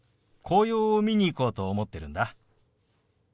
紅葉を見に行こうと思ってるんだ。